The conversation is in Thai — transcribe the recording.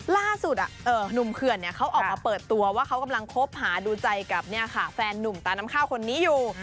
ล่าสุดหนุ่มเขื่อนเขาออกมาเปิดตัวว่าเขากำลังคบหาดูใจกับแฟนนุ่มตาน้ำข้าวคนนี้อยู่